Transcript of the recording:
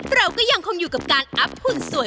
เราก็ยังคงอยู่กับการอัพหุ่นสวย